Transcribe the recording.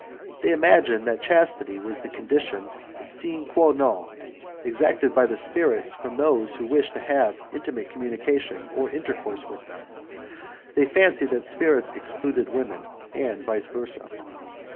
They imagined that chastity was the condition 'sine qua non' exacted by the spirits from those who wished to have intimate communication or intercourse with them: they fancied that spirits excluded women, and 'vice versa'.